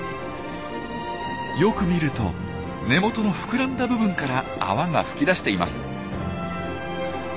よく見ると根元の膨らんだ部分から泡が吹き出しています。